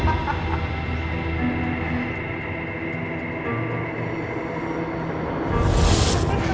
จัดเต็มให้เลย